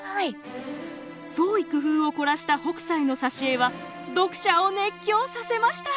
創意工夫を凝らした北斎の挿絵は読者を熱狂させました。